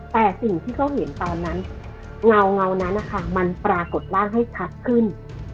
แต่สิ่งที่เขาเห็นตอนนั้นเงานั้นนะคะมันปรากฏร่างให้ชัดขึ้น